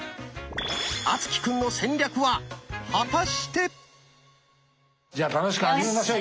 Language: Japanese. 敦貴くんの戦略は果たして⁉じゃあ楽しく始めましょう。